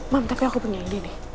mam tapi aku punya ide deh